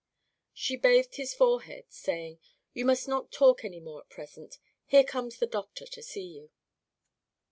She bathed his forehead, saying: "You must not talk any more at present. Here comes the doctor to see you."